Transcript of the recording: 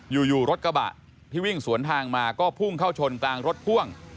อยู่รถกระบะที่วิ่งสวนทางมาก็พุ่งเข้าชนกลางรถพ่วง